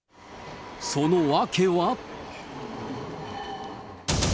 その訳は。